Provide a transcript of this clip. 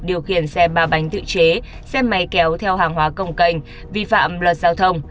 điều khiển xe ba bánh tự chế xe máy kéo theo hàng hóa công kênh vi phạm luật giao thông